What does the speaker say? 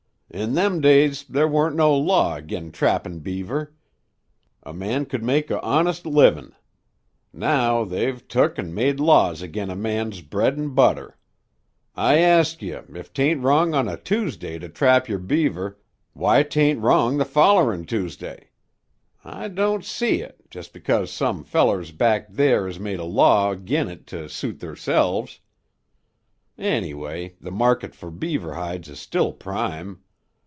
"In them days there weren't no law ag'in' trappin' beaver. A man could make a honest livin'. Now they've tuk an' made laws ag'in' a man's bread an' butter. I ask ye, if 't ain't wrong on a Tuesday to trap yer beaver, why, 't ain't wrong the follerin' Tuesday. I don't see it, jes becos some fellers back there has made a law ag'in' it to suit theirselves. Anyway, the market fer beaver hides is still prime.